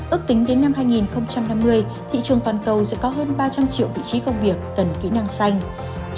ước tính đến năm hai nghìn năm mươi thị trường toàn cầu sẽ có hơn ba trăm linh triệu vị trí công việc cần kỹ năng xanh